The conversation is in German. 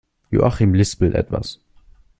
Joachim lispelt etwas.